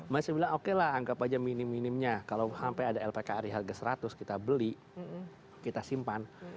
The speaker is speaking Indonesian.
masih bilang oke lah anggap aja minim minimnya kalau sampai ada lpkri harga seratus kita beli kita simpan